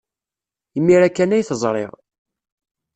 Imir-a kan ay t-ẓriɣ.